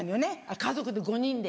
家族で５人で。